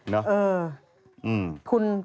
เนอะอืมแพทย์เออ